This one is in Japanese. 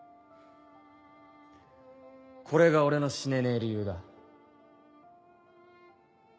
これが俺の死ねねえ理由だ。